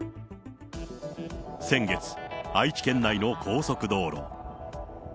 先月、愛知県内の高速道路。